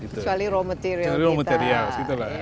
kecuali raw material kita